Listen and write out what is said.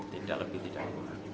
tidak lebih tidak